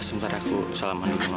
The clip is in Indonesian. sebenarnya aku samanon dengan mama